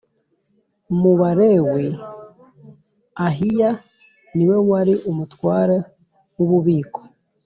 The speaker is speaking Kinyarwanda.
Mu Balewi Ahiya ni we wari umutware w ububiko.